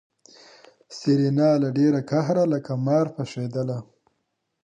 سېرېنا له ډېره قهره لکه مار پشېدله.